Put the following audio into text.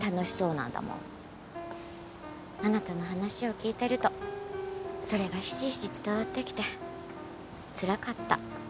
あなたの話を聞いてるとそれがひしひし伝わってきてつらかった。